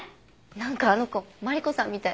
なんかあの子マリコさんみたい。